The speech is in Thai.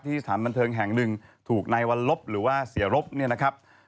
ที่สถานบันเทิงแห่งดึงถูกในวันรบหรือว่าเสียรบนี่นะครับ